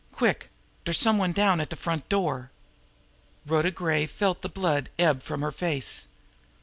Quick! Dere's some one down at de front door!" Rhoda Gray felt the blood ebb from her face.